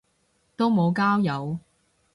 都無交友